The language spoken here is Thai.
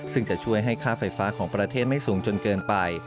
ซึ่งจะช่วยให้ค่าไฟฟ้าของประเทศไม่สูงจนเกินไป